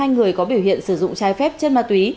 một mươi hai người có biểu hiện sử dụng chai phép chất ma túy